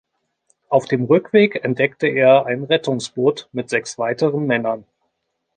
Auf dem Rückweg entdeckte er ein Rettungsboot mit sechs weiteren Männer.